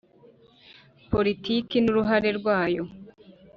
Politiki n uruhare rwayo